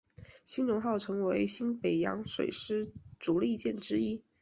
海容号成为新北洋水师主力舰之一。